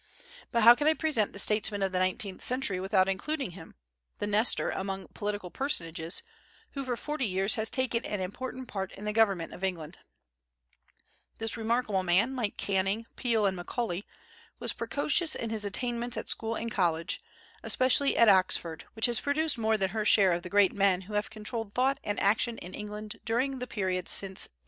But how can I present the statesmen of the nineteenth century without including him, the Nestor among political personages, who for forty years has taken an important part in the government of England? [Footnote 4: This was written by Dr. Lord in 1891. Gladstone died in 1898.] This remarkable man, like Canning, Peel, and Macaulay, was precocious in his attainments at school and college, especially at Oxford, which has produced more than her share of the great men who have controlled thought and action in England during the period since 1820.